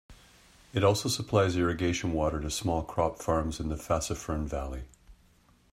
It also supplies irrigation water to small crop farms in the Fassifern Valley.